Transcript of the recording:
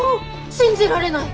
信じられない。